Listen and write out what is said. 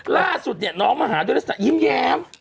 ล่าสุดเนี่ยน้องมาหาเจ้าด้วยล่ะอิอิมแย้ม